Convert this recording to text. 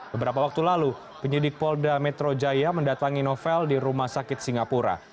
beberapa waktu lalu penyidik polda metro jaya mendatangi novel di rumah sakit singapura